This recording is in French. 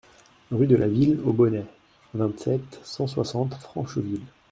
Rue de la Ville Aux Bonnets, vingt-sept, cent soixante Francheville